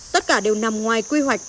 tất cả đều nằm ngoài quy hoạch